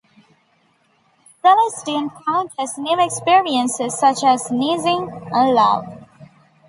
Celeste encounters new experiences such as sneezing and love.